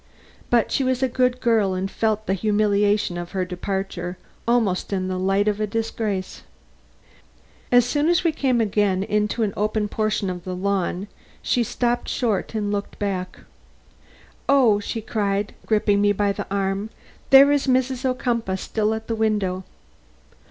But she was a good girl and felt the humiliation of her departure almost in the light of a disgrace. As we came again into an open portion of the lawn, she stopped short and looked back. "Oh!" she cried, gripping me by the arm, "there is Mrs. Ocumpaugh still at the window.